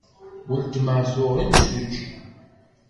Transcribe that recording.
Weltma tuɣ imsujji.